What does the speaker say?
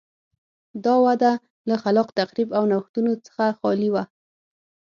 دا وده له خلاق تخریب او نوښتونو څخه خالي وه.